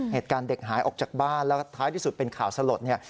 เหตุการณ์เด็กหายออกจากบ้านแล้วท้ายที่สุดเป็นข่าวสลดเนี่ย